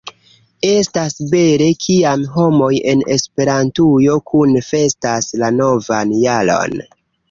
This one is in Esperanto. Estas bele, kiam homoj en Esperantujo kune festas la novan jaron.